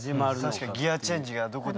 確かにギアチェンジがどこで。